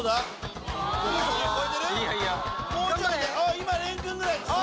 今廉君ぐらい。